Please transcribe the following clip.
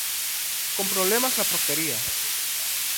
Con problemas na portería.